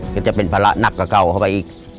ก็จะเป็นภาระหนักเก่าเข้าไปอีก